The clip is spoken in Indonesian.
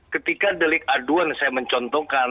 ketika delik aduan saya mencontohkan